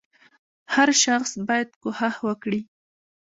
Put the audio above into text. • هر شخص باید کوښښ وکړي.